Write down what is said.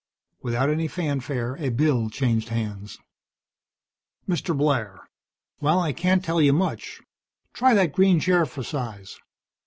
Without any fanfare a bill changed hands. "Mr. Blair. Well, I can't tell you much. Try that green chair for size.